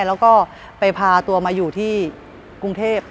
แล้วก็ไปพาตัวมาอยู่ที่กรุงเทพ